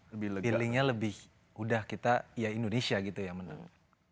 lebih feelingnya lebih udah kita ya indonesia gitu yang menang